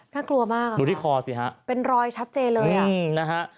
น่ากลัวมากดูที่คอสิฮะเป็นรอยชัดเจเลยอ่ะ